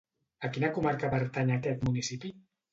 A quina comarca pertany aquest municipi?